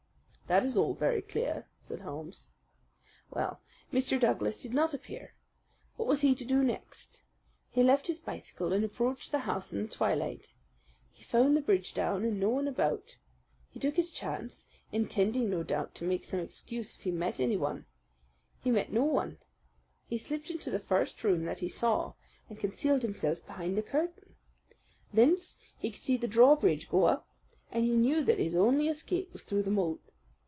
"That is all very clear," said Holmes. "Well, Mr. Douglas did not appear. What was he to do next? He left his bicycle and approached the house in the twilight. He found the bridge down and no one about. He took his chance, intending, no doubt, to make some excuse if he met anyone. He met no one. He slipped into the first room that he saw, and concealed himself behind the curtain. Thence he could see the drawbridge go up, and he knew that his only escape was through the moat.